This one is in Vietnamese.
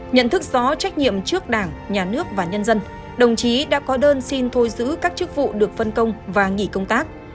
nhận thức rõ trách nhiệm trước đảng nhà nước và nhân dân đồng chí đã có đơn xin thôi giữ các chức vụ được phân công và nghỉ công tác